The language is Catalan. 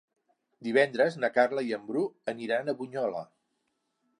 Divendres na Carla i en Bru aniran a Bunyola.